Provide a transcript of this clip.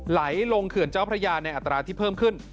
ไหลลงเขื่อนเจ้าพระยาในอัตราที่เพิ่มขึ้น